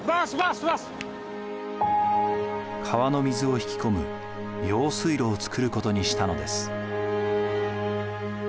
川の水を引き込む用水路を作ることにしたのです。